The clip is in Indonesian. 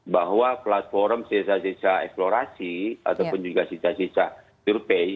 bahwa platform sisa sisa eksplorasi ataupun juga sisa sisa survei